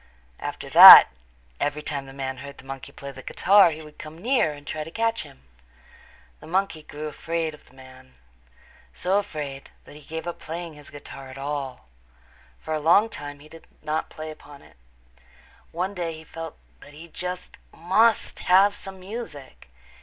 After that every time the man heard the monkey play the guitar he would come near and try to catch him. The monkey grew afraid of the man, so afraid that he gave up playing his guitar at all. For a long, long time he did not play upon it. One day he felt that he just must have some music.